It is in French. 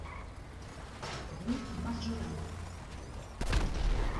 Rue Marjolin.